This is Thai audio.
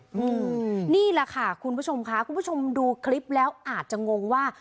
อืมนี่แหละค่ะคุณผู้ชมค่ะคุณผู้ชมดูคลิปแล้วอาจจะงงว่า